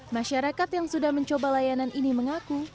masyarakat yang sudah mencoba layanan ini mengaku